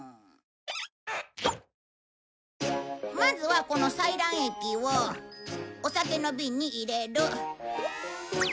まずはこのサイラン液をお酒の瓶に入れる。